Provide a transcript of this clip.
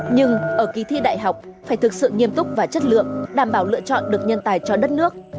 nhưng ở kỳ thi đại học phải thực sự nghiêm túc và chất lượng đảm bảo lựa chọn được nhân tài cho đất nước